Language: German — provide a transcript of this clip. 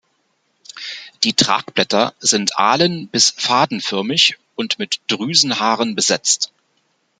Die Tragblätter sind ahlen- bis fadenförmig und mit Drüsenhaaren besetzt.